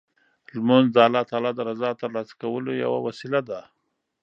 لمونځ د الله تعالی د رضا ترلاسه کولو یوه وسیله ده.